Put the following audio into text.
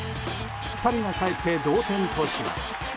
２人がかえって同点とします。